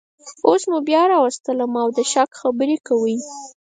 اوس مو بیا راوستلم او د شک خبرې کوئ